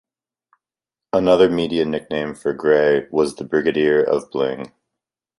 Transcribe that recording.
Another media nickname for Gray was the "Brigadier of Bling".